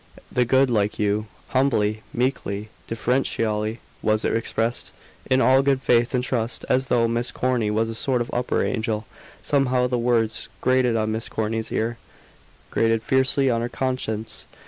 The good like you! Humbly, meekly, deferentially was it expressed, in all good faith and trust, as though Miss Corny was a sort of upper angel. Somehow the words grated on Miss Corny's ear: grated fiercely on her conscience.